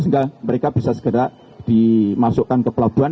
sehingga mereka bisa segera dimasukkan ke pelabuhan